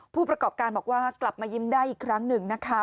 ผู้ประกอบการบอกว่ากลับมายิ้มได้อีกครั้งหนึ่งนะคะ